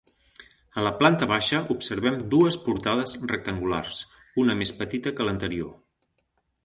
A la planta baixa observem dues portades rectangulars, una més petita que l'anterior.